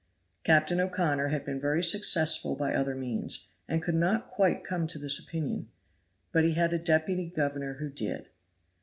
Captain O'Connor had been very successful by other means, and could not quite come to this opinion; but he had a deputy governor who did.